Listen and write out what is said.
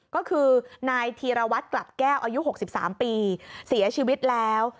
ก็คือนายธีรวัตรกลับแก้วอายุ๖๓ปีเสียชีวิตแล้ว